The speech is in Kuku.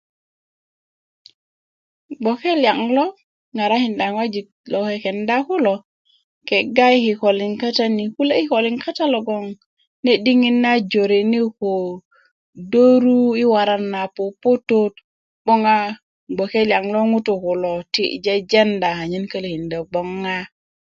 gboke liyaŋ lo ŋarakinda ŋojik lo kekenda kulo kega yi kikolin kata ni kule kikolin kata logon ne' diŋit na jorene' ko döru yi waran na puputut 'boŋ a gboke liyaŋ lo ŋutu' kulo yiti' yi jejeda anyen kölökinda gbon ŋa